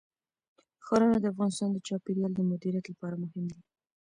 ښارونه د افغانستان د چاپیریال د مدیریت لپاره مهم دي.